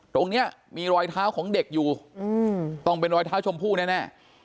ตรงนี้มีรอยเท้าของเด็กอยู่ต้องเป็นรอยเท้าชมพู่แน่